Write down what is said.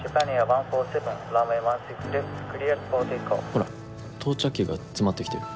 ほら到着機が詰まってきてる。